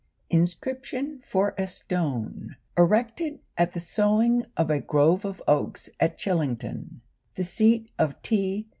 INSCRIPTION FOR A STONE ERECTED AT THE SOWING OF A GROVE OF OAKS AT CHILLINGTON, THE SEAT OF T.